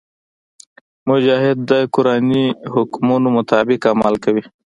مجاهد د قرآني حکمونو مطابق عمل کوي.